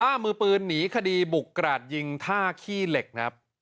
ว่ามือปืนหนีคดีบุกกราดยิงท่าขี้เหล็กครับ